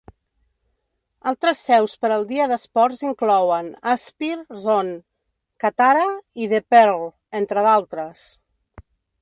Altres seus per al dia d'esports inclouen Aspire Zone, Katara i The Pearl, entre d'altres.